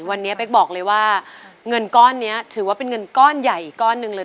วันนี้เป๊กบอกเลยว่าเงินก้อนนี้ถือว่าเป็นเงินก้อนใหญ่อีกก้อนหนึ่งเลย